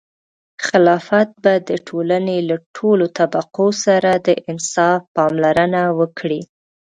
خلافت به د ټولنې له ټولو طبقو سره د انصاف پاملرنه وکړي.